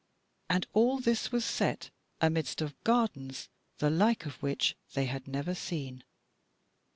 And all this was set amidst of gardens, the like of which they had never seen.